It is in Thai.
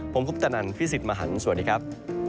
ผมทุกข์ตะนันพี่สิทธิ์มหังสวัสดีครับ